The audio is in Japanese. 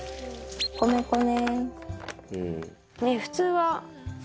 米粉ね。